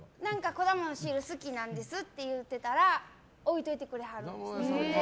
果物のシール好きなんですって言うてたら置いといてくれはります。